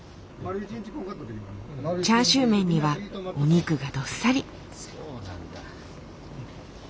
チャーシューメンにはお肉がどっさり。